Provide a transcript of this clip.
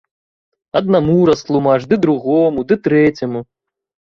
Аднаму растлумач, ды другому, ды трэцяму.